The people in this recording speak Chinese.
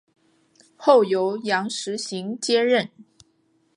后由杨时行接任。